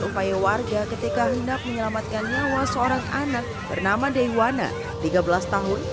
upaya warga ketika hendak menyelamatkan nyawa seorang anak bernama daiwana tiga belas tahun